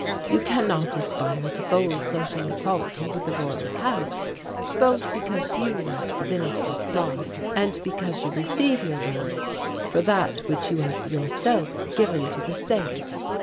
You cannot aspire to full social equality with the Royal House both because you lack divinity of blood and because you receive your wealth for that which you have yourself given to the state.